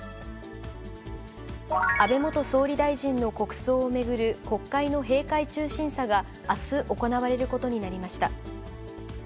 安倍元総理大臣の国葬を巡る国会の閉会中審査が、あす行われることになりました。